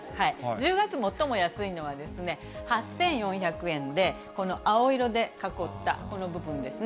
１０月最も安いのはですね、８４００円で、この青色で囲ったこの部分ですね。